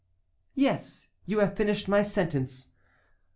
"Yes, you have finished my sentence."